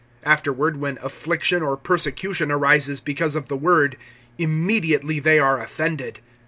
Afterward, when affliction or persecution arises because of the word, immediately they are offended.